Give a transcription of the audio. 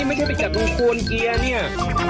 ไม่ใช่ไปจับตรงโคนเกียร์เนี่ย